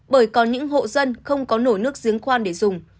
bởi có những hộ dân không có nổi nước giếng khoan để dùng